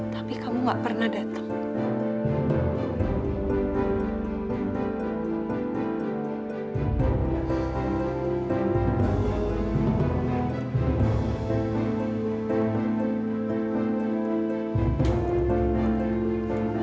tapi kamu gak pernah datang